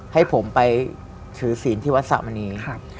ให้ผมไปถือศิลป์ที่วัฒนธรรมนี